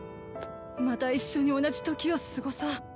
また一緒に同じ時を過ごそう。